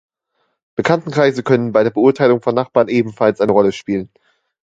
Bekanntenkreise können bei der Beurteilung von Nachbarn ebenfalls eine Rolle spielen.